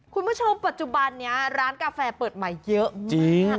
คุณผู้ชมปัจจุบันนี้ร้านกาแฟเปิดใหม่เยอะจริง